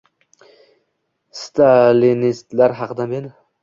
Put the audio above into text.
Stalinistlar haqida men